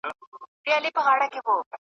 زما وطن پر مرګ پېرزوی دی نه قدرت د ابوجهل ,